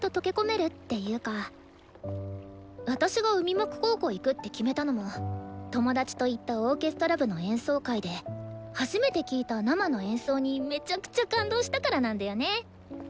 私が海幕高校行くって決めたのも友達と行ったオーケストラ部の演奏会で初めて聴いた生の演奏にめちゃくちゃ感動したからなんだよね。